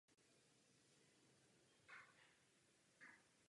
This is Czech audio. Přednášela na různých místech Československa a také v zahraničí.